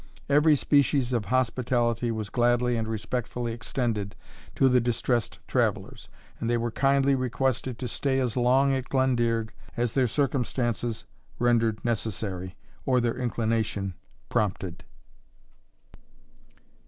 Every species of hospitality was gladly and respectfully extended to the distressed travellers, and they were kindly requested to stay as long at Glendearg as their circumstances rendered necessary, or their inclination prompted.